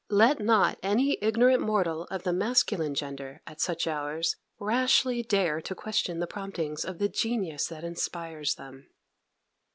Let not any ignorant mortal of the masculine gender, at such hours, rashly dare to question the promptings of the genius that inspires them!